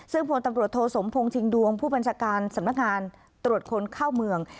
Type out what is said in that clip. ซึ่งผลตำรวจโทสมพงษิงดวงผู้บัญชาการสำนักงานตรวจคนเข้าเมือง